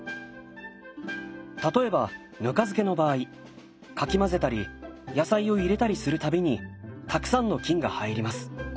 例えばぬか漬けの場合かき混ぜたり野菜を入れたりするたびにたくさんの菌が入ります。